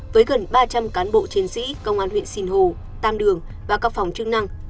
với gần ba trăm linh cán bộ chiến sĩ công an huyện sinh hồ tam đường và các phòng chức năng